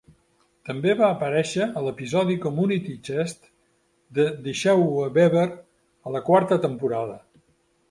També va aparèixer a l'episodi "Community Chest" de "Deixa-ho a Beaver" a la quarta temporada.